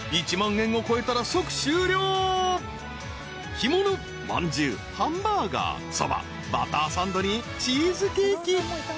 ［干物まんじゅうハンバーガーそばバターサンドにチーズケーキシチューパン］